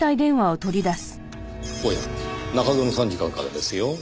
おや中園参事官からですよ。